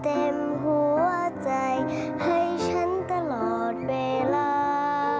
หัวใจให้ฉันตลอดเวลา